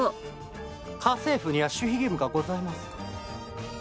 家政夫には守秘義務がございますから。